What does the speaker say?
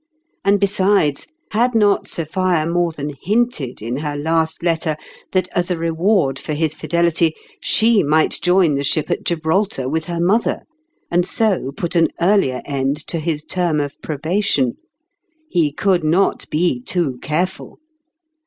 And, be sides, had not Sophia more than hinted in her last letter that, as a reward for his fidelity, she might join the ship at Gibraltar with her mother, and so put an earlier end to his term of probation? He could not be too careful.